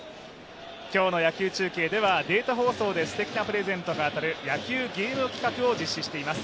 今日の野球中継ではデータ放送ですてきなプレゼントが当たる野球ゲーム企画を実施しています。